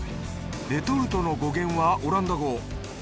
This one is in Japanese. レトルトの語源はオランダ語。